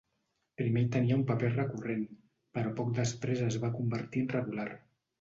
Primer hi tenia un paper recurrent però poc després es va convertir en regular.